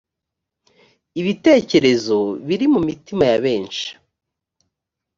ibitekerezo biri mu mitima ya benshi.